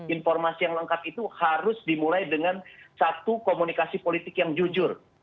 informasi yang lengkap itu harus dimulai dengan satu komunikasi politik yang jujur